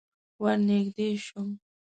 ور نږدې شوم.